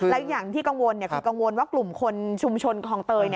แล้วอย่างที่กังวลคือกังวลว่ากลุ่มคนชุมชนคลองเตย